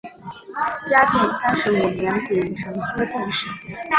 嘉靖三十五年丙辰科进士。